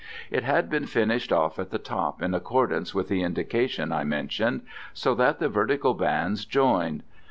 It had been finished off at the top in accordance with the indication I mentioned, so that the vertical bands joined.